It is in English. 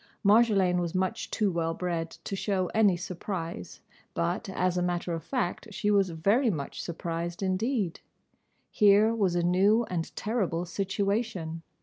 Marjolaine was much too well bred to show any surprise, but, as a matter of fact, she was very much surprised indeed. Here was a new and terrible situation.